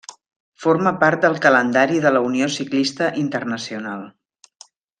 Forma part del calendari de la Unió Ciclista Internacional.